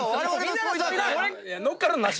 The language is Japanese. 乗っかるのなし！